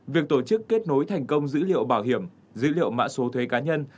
việc tổ chức kết nối thành công dữ liệu bảo hiểm dữ liệu mã số thuế cá nhân